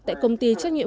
tại công ty trách nhiệm